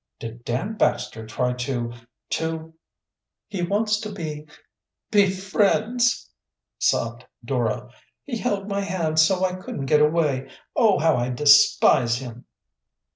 "Did Dan Baxter try to to " "He wants to be be friends!" sobbed Dora. "He held my hand so I couldn't get away. Oh, how I despise him!"